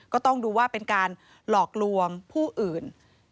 ก็ต้องดูว่าเป็นการหลอกลวงผู้อื่น